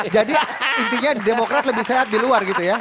jadi intinya demokrat lebih sehat di luar gitu ya